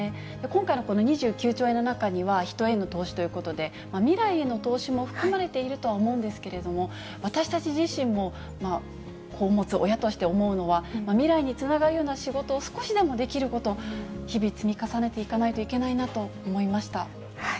今回のこの２９兆円の中には、人への投資ということで、未来への投資も含まれているとは思うんですけれども、私たち自身も子を持つ親として思うのは、未来につながるような仕事を、少しでもできることを日々積み重ねていかなければならないなと思